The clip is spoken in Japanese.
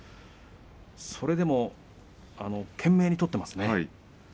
それでも懸命に取っていますね。